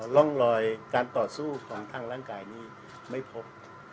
ร่องรอยการต่อสู้ของทางร่างกายนี้ไม่พบ